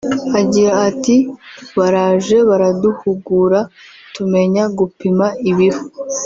Agira ati “Baraje baraduhugura tumenya gupima ibiro